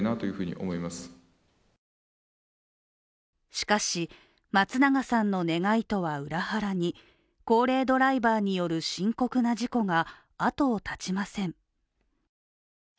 しかし、松永さんの願いとは裏腹に高齢ドライバーによる深刻な事故が後を絶ちません。